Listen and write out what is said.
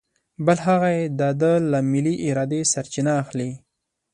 بل هغه یې د ده له ملې ارادې سرچینه اخلي.